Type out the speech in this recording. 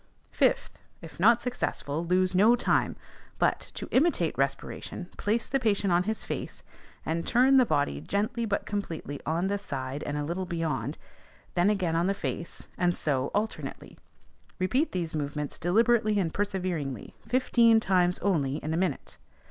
5th, If not successful, lose no time; but, to imitate respiration, place the patient on his face, and turn the body gently but completely on the side and a little beyond, then again on the face, and so on alternately. Repeat these movements deliberately and perseveringly, fifteen times only in a minute.